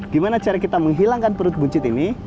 gimana cara kita menghilangkan perut buncit ini